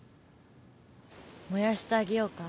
燃やしてあげようか？